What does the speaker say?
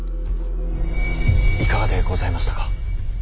いかがでございましたか。